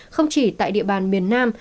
không chỉ tại địa bàn miền nam